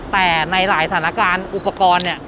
แต่ในหลายสถานการณ์อุปกรณ์เนี่ย